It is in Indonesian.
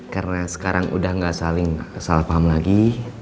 karena sekarang udah gak saling salah paham lagi